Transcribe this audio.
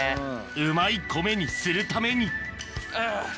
うまい米にするためにうっ！